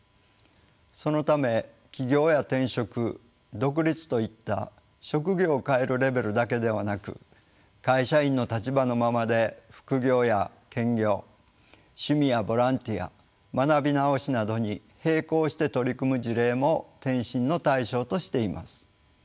そのため起業や転職独立といった職業を変えるレベルだけではなく会社員の立場のままで副業や兼業趣味やボランティア学び直しなどに並行して取り組む事例も転身の対象としています。